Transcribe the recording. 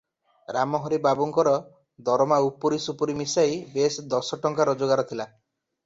ରାମହରି ବାବୁଙ୍କର ଦରମା ଉପୁରି ସୁପୁରି ମିଶାଇ ବେଶ ଦଶଟଙ୍କା ରୋଜଗାର ଥିଲା ।